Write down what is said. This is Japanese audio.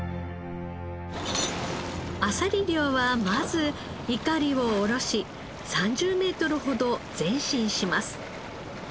あさり漁はまずいかりを下ろし３０メートルほど前進します。